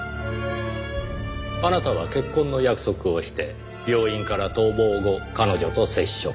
あなたは結婚の約束をして病院から逃亡後彼女と接触。